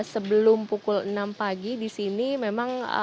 sebelum pukul enam pagi di sini memang